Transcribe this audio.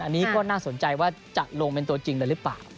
อันนี้ก็น่าสนใจว่าจะลงเป็นตัวจริงเลยหรือเปล่า